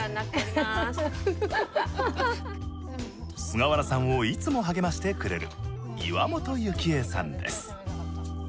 菅原さんをいつも励ましてくれる岩本幸江さんです。